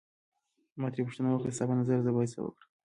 ما ترې پوښتنه وکړه ستا په نظر زه باید څه وکړم.